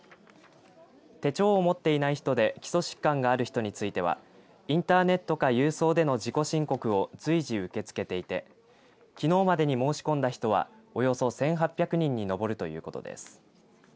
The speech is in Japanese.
手帳を持っていない人で基礎疾患がある人についてはインターネットか郵送での自己申告を随時、受け付けていてきのうまでに申し込んだ人はおよそ１８００人に上るということです。